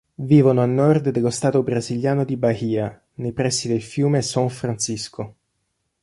Vivono a nord dello stato brasiliano di Bahia, nei pressi del fiume São Francisco.